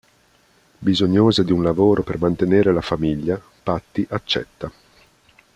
Bisognosa di un lavoro per mantenere la famiglia, Patty accetta.